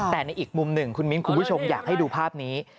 แต่ในอีกมุมหนึ่งคุณมิ้นคุณผู้ชมอยากให้ดูภาพนี้